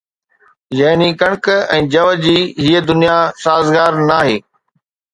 يعني ڪڻڪ ۽ جَوَ جي هيءَ دنيا سازگار ناهي